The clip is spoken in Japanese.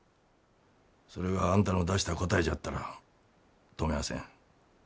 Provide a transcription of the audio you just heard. それがあんたの出した答えじゃったら止みゃあせん。